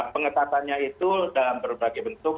pengetatannya itu dalam berbagai bentuk